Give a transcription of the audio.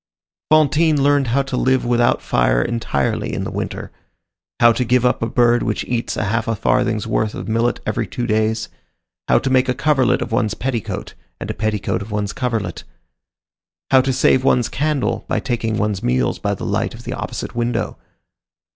Fantine learned how to live without fire entirely in the winter; how to give up a bird which eats a half a farthing's worth of millet every two days; how to make a coverlet of one's petticoat, and a petticoat of one's coverlet; how to save one's candle, by taking one's meals by the light of the opposite window.